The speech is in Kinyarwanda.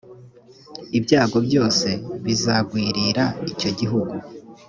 ibyago byose bizagwirira icyo gihugu